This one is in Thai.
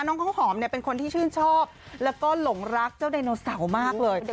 น้องเขาหอมเนี่ยเป็นคนที่ชื่นชอบแล้วก็หลงรักเจ้าไดโนเสาร์มากเลย